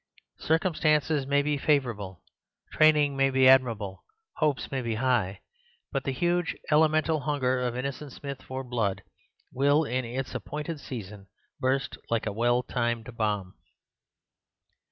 Circumstances may be favourable, training may be admirable, hopes may be high, but the huge elemental hunger of Innocent Smith for blood will in its appointed season burst like a well timed bomb."